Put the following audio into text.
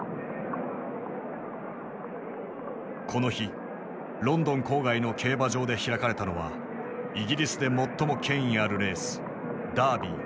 この日ロンドン郊外の競馬場で開かれたのはイギリスで最も権威あるレースダービー。